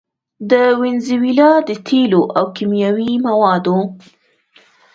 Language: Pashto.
د وينزويلا د تېلو او کيمياوي موادو